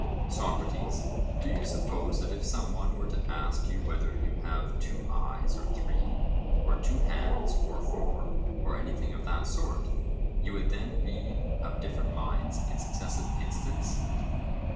SOCRATES: Do you suppose that if some one were to ask you whether you have two eyes or three, or two hands or four, or anything of that sort, you would then be of different minds in successive instants?